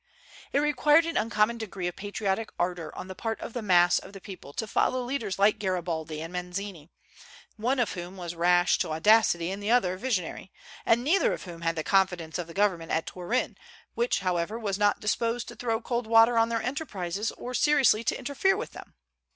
It required an uncommon degree of patriotic ardor on the part of the mass of the people to follow leaders like Garibaldi and Mazzini, one of whom was rash to audacity, and the other visionary; and neither of whom had the confidence of the government at Turin, which, however, was not disposed to throw cold water on their enterprises or seriously to interfere with them.